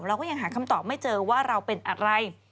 เราก็ยังหาคำตอบไม่เจอว่าเราเป็นอะไร